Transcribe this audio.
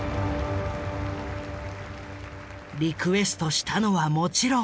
リクエストしたのはもちろん。